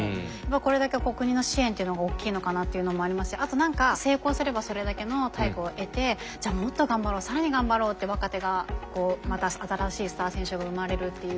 これだけ国の支援というのが大きいのかなっていうのもありますしあと何か成功すればそれだけの対価を得てじゃあもっと頑張ろう更に頑張ろうって若手がこうまた新しいスター選手が生まれるっていう。